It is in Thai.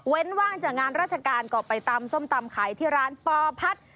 ว่างจากงานราชการก็ไปตำส้มตำขายที่ร้านปอพัฒน์